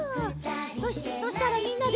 よしそしたらみんなで。